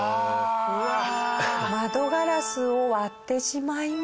窓ガラスを割ってしまいました。